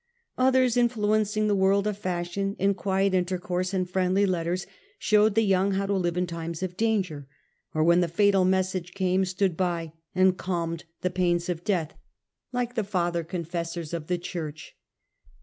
Others, influencing the world of fashion in quiet intercourse and friendly letters, showed the young how to live in times of danger ; or when the fatal message came stood by and calmed the pains of death, like the father confessors of the Church.